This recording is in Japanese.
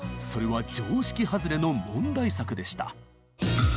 それは常識外れの問題作でした。